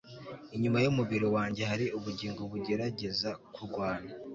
inyuma y'umubiri wanjye hari ubugingo bugerageza kurwana